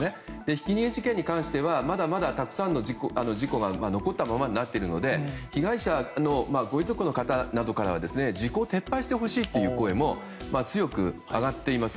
ひき逃げ事件に関してはまだまだ、たくさんの事故が残ったままになっているので被害者のご遺族の方などからは時効を撤廃してほしいという声も強く上がっています。